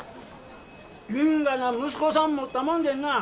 因果な息子さん持ったもんでんなあ。